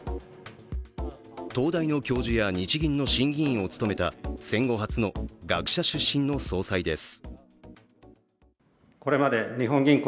東大の教授や日銀の審議委員を務めた戦後初の学者出身の総裁です。